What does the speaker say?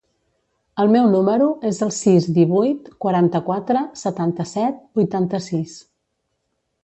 El meu número es el sis, divuit, quaranta-quatre, setanta-set, vuitanta-sis.